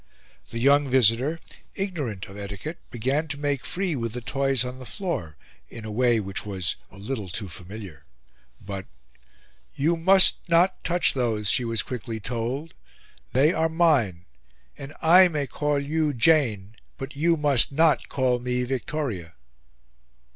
The young visitor, ignorant of etiquette, began to make free with the toys on the floor, in a way which was a little too familiar; but "You must not touch those," she was quickly told, "they are mine; and I may call you Jane, but you must not call me Victoria."